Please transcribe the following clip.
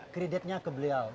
kreditnya ke beliau